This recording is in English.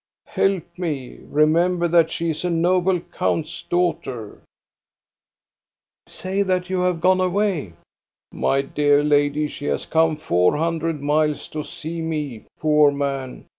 Help me ! Remember that she is a noble count's daughter !"" Say that you have gone away !"" My dear lady, she has come four hundred miles to see me, poor man.